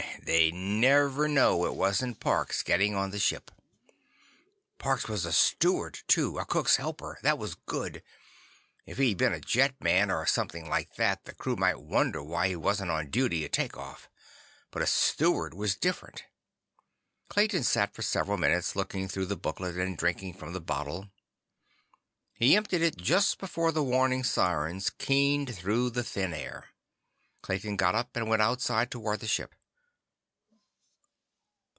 They'd never know it wasn't Parks getting on the ship. Parks was a steward, too. A cook's helper. That was good. If he'd been a jetman or something like that, the crew might wonder why he wasn't on duty at takeoff. But a steward was different. Clayton sat for several minutes, looking through the booklet and drinking from the bottle. He emptied it just before the warning sirens keened through the thin air. Clayton got up and went outside toward the ship.